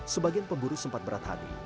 sebagian pemburu sempat berat hati